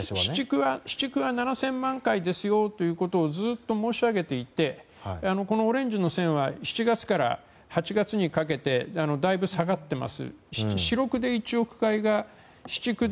何千万回ですよとずっと申し上げていてオレンジの線は７月から８月にかけてだいぶ下がっています。